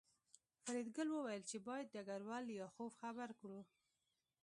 فریدګل وویل چې باید ډګروال لیاخوف خبر کړو